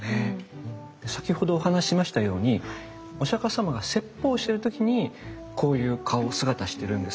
先ほどお話ししましたようにお釈様が説法してる時にこういう顔・姿してるんですね。